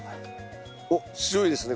おっ強いですね